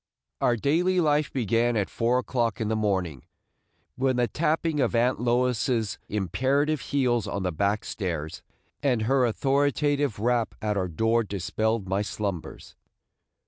Our daily life began at four o'clock in the morning, when the tapping of Aunt Lois's imperative heels on the back stairs, and her authoritative rap at our door dispelled my slumbers.